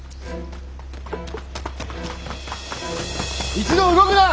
一同動くな！